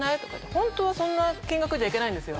ホントはそんな金額じゃ行けないんですよ。